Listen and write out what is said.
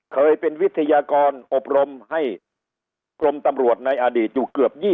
เคยเป็นวิทยากรอบรมให้กรมตำรวจในอดีตอยู่เกือบ๒๐